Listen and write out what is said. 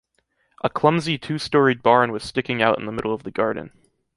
A clumsy two-storied barn was sticking out in the middle of the garden.